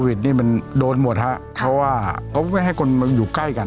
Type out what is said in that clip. นี่มันโดนหมดฮะเพราะว่าเขาไม่ให้คนมันอยู่ใกล้กัน